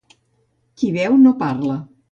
Qui beu no parla.